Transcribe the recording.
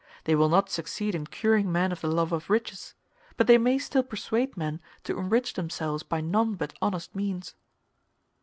They will not succeed in curing men of the love of riches: but they may still persuade men to enrich themselves by none but honest means.